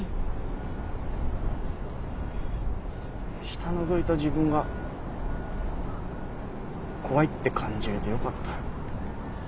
下のぞいた自分が怖いって感じれてよかった。